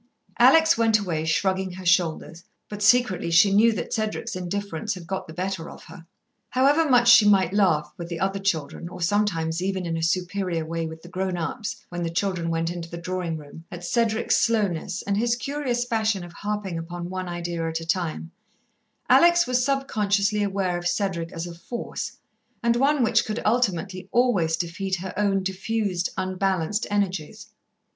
Alex went away, shrugging her shoulders, but secretly she knew that Cedric's indifference had got the better of her. However much she might laugh, with the other children, or sometimes, even, in a superior way, with the grown ups, when the children went into the drawing room, at Cedric's slowness, and his curious fashion of harping upon one idea at a time, Alex was sub consciously aware of Cedric as a force, and one which could, ultimately, always defeat her own diffused, unbalanced energies.